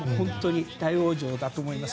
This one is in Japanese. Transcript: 大往生だと思います。